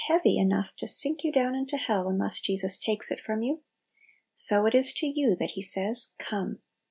heavy enough to sink you down into hell, unless Jesus takes it from you. So it is to you that He says " Come